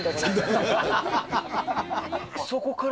そこから？